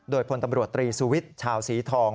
โดยพลตำรวจตรีสุวิทย์ชาวสีทอง